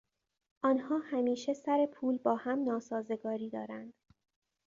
آنها همیشه سر پول با هم ناسازگاری دارند.